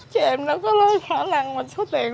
chị em đã có lấy khả năng mà số tiền